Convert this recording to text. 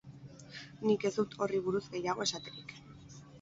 Nik ez dut horri buruz gehiago esaterik.